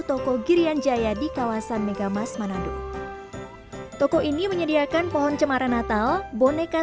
toko girian jaya di kawasan megamas manado toko ini menyediakan pohon cemara natal boneka